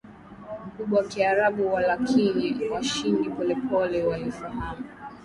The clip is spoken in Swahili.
mkubwa wa Kiarabu Walakini washindi polepole walifahamu